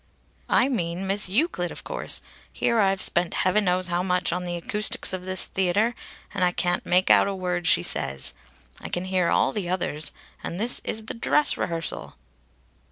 "I mean Miss Euclid of course. Here I've spent Heaven knows how much on the acoustics of this theatre, and I can't make out a word she says. I can hear all the others. And this is the dress rehearsal!"